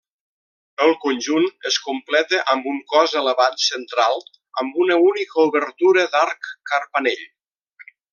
El conjunt es completa amb un cos elevat central amb una única obertura d'arc carpanell.